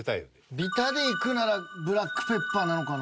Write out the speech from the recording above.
ビタでいくならブラックペッパーなのかな。